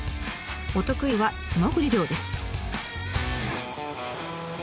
お得意は素潜り漁です。